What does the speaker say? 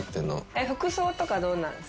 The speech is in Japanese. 服装とかどんなの好きですか？